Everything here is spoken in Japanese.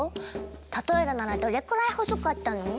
例えるならどれくらい細かったの？